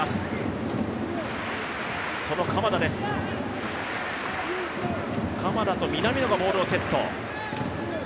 鎌田と南野がボールをセット。